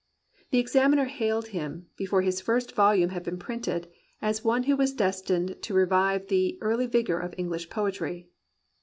The Examiner hailed him, before his first volume had been printed, as one who was destined to revive the early vigour of English poetry.